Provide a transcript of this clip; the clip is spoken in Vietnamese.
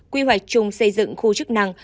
quy hoạch chung xây dựng khu chức năng